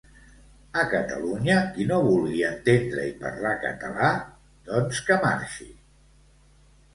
A Catalunya qui no vulgi entendre i parlar català doncs que marxi